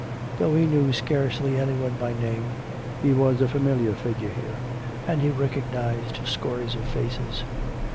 Though he knew scarcely anyone by name, he was a familiar figure here and he recognized scores of faces.